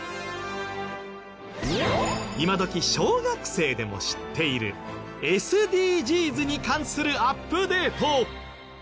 今どき小学生でも知っているＳＤＧｓに関するアップデート。